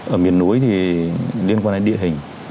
ở miền núi thì liên quan đến địa hình